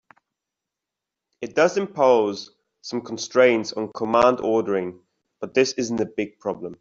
It does impose some constraints on command ordering, but this isn't a big problem.